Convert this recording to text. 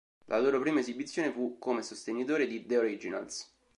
La loro prima esibizione fu come sostenitore di The Originals.